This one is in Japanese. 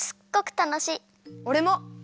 おれも！